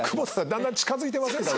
だんだん近づいてませんか？